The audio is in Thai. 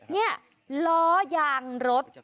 นี่ล้อยางรถ